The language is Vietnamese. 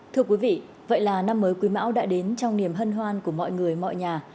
thưa quý vị vậy là năm mới quý mão đã đến trong niềm hân hoan của mọi người mọi nhà